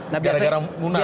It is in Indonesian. gara gara munas ya